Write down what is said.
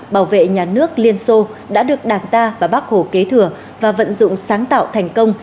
bảo vệ nhà nước liên xô đã được đảng ta và bác hồ kế thừa và vận dụng sáng tạo thành công